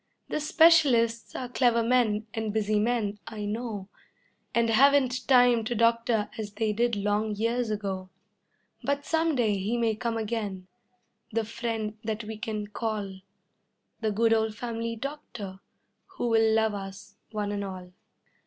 The specialists are clever men and busy men, I know, And haven't time to doctor as they did long years ago; But some day he may come again, the friend that we can call, The good old family doctor who will love us one and all.